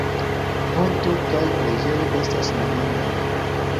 Ponto kaj preĝejo esta mirindaj.